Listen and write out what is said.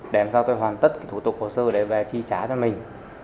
để làm sao tôi hoàn tất thủ tục hồ sơ để về chi trả cho mình